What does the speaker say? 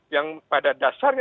yang pada dasarnya